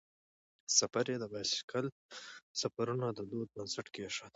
سفر یې د بایسکل سفرونو د دود بنسټ کیښود.